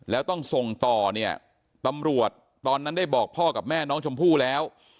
แล้วต้องส่งต่อเนี่ยตำรวจตอนนั้นได้บอกพ่อกับแม่น้องชมพู่แล้ว